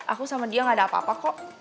aku sama dia gak ada apa apa kok